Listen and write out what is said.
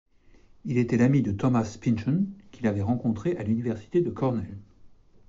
Il était l'ami de Thomas Pynchon, qu'il avait rencontré à l'université de Cornell.